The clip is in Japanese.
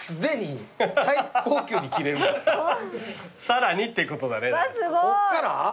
さらにってことだねじゃあ。